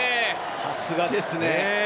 さすがですね。